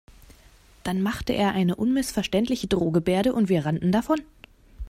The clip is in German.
Dann machte er eine unmissverständliche Drohgebärde und wir rannten davon.